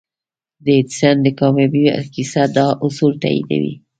د ايډېسن د کاميابۍ کيسه دا اصول تاييدوي.